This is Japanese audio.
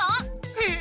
えっ⁉